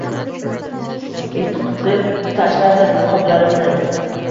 Itqitib tashladim niqoblarimni